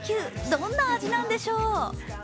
どんな味なんでしょう？